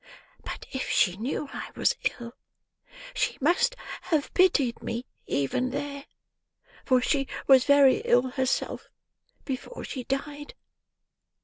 But if she knew I was ill, she must have pitied me, even there; for she was very ill herself before she died.